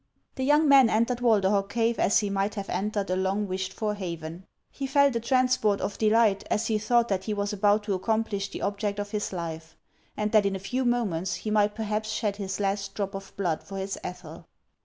The young man entered Walderhog cave as he might have entered a long wished for haven. He felt a trans port of delight as he thought that he was about to accom plish the object of his life, and that in a few moments he might perhaps shed his last drop of blood for his Ethel.